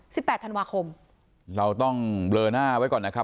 แปดธันวาคมเราต้องเบลอหน้าไว้ก่อนนะครับ